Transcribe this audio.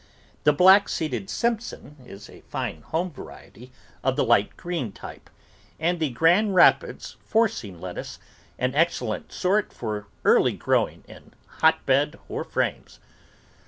The Black Seeded Simpson is a fine home variety of the light green type, and the Grand Kapids Forcing Lettuce an excellent sort for early grow ing in hotbed or frames.